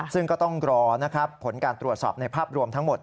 ซึ่งก็ต้องรอนะครับผลการตรวจสอบในภาพรวมทั้งหมด